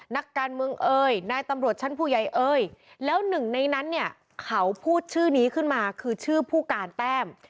นักการเมืองเอ่ยนายตำรวจชั้นผู้ใหญ่เอ่ยแล้วหนึ่งในนั้นเนี่ยเขาพูดชื่อนี้ขึ้นมาคือชื่อผู้การแต้ม